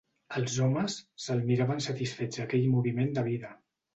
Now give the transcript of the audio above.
Els homes, se 'l miraven satisfets aquell moviment de vida.